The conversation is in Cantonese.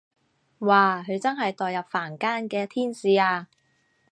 哇佢真係墮入凡間嘅天使啊